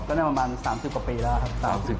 ก็เนี่ยประมาณ๓๐กว่าปีแล้วครับ